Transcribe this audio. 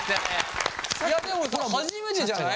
いやでもさ初めてじゃない？